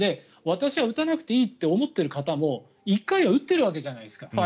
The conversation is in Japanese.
私は打たなくていいと思っている方も１回は打っているわけじゃないですか。